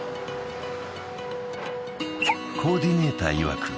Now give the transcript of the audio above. コーディネーターいわく